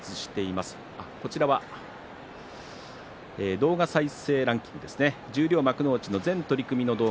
動画再生ランキングです。